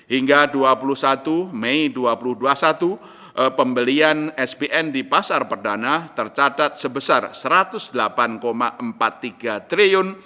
hingga dua puluh satu mei dua ribu dua puluh satu pembelian sbn di pasar perdana tercatat sebesar rp satu ratus delapan empat puluh tiga triliun